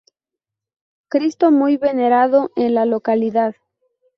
Cristo muy venerado en la localidad.